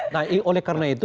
nah oleh karena itu